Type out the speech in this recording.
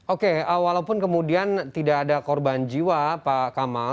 oke walaupun kemudian tidak ada korban jiwa pak kamal